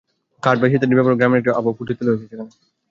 কাঠ, বাঁশ ইত্যাদির ব্যবহারে গ্রামীণ একটি আবহ ফুটিয়ে তোলা হয়েছে এখানে।